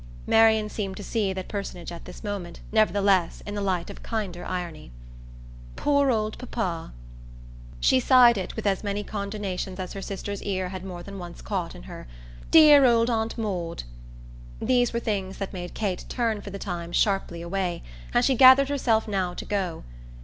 Marian seemed to see that personage at this moment, nevertheless, in the light of a kinder irony. "Poor old papa!" She sighed it with as many condonations as her sister's ear had more than once caught in her "Dear old Aunt Maud!" These were things that made Kate turn for the time sharply away, and she gathered herself now to go.